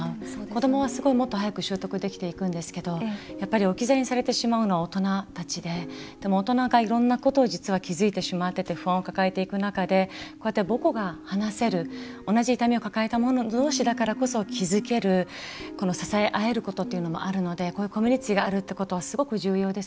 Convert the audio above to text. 子どもは、もっと早く習得できていくんですけど置き去りにされてしまうのは大人たちででも大人がいろんなことに気付いてしまって不安を抱えていく中で母語が話せる、同じ痛み抱えたもの同士だからこそ気付ける支え合えるということもあるのでこういったコミュニティーがあるっていうのは大事なので。